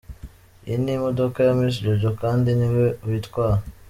Iyi ni imodoka ya Miss Jojo kandi ni we witwara.